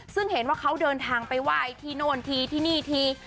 ซึ่งเห็นว่าเขาเดินทางไปไหว้ที่โน่นทีที่นี่ที